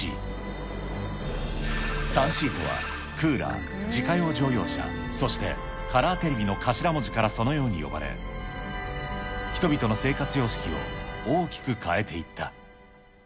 ３Ｃとは、クーラー、自家用乗用車、そしてカラーテレビの頭文字からそのように呼ばれ、人々の生活様式を大きく変えていった。